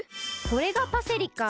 これがパセリか。